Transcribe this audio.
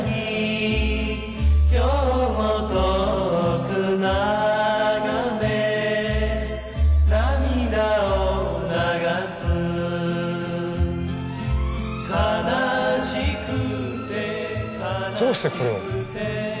「今日も遠くながめ涙をながす」「悲しくて」どうしてこれを？